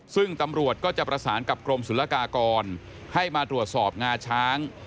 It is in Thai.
ซึ่งตำรวจก็จะประสานกับกรมศุลกากรให้มาตรวจสอบงาช้าง